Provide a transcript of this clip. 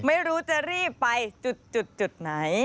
ไม่รู้จะรีบไปจุดไหน